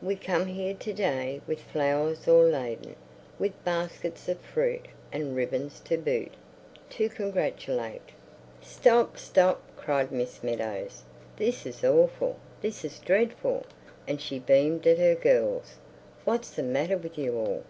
We come here To day with Flowers o'erladen, With Baskets of Fruit and Ribbons to boot, To oo Congratulate ... "Stop! Stop!" cried Miss Meadows. "This is awful. This is dreadful." And she beamed at her girls. "What's the matter with you all?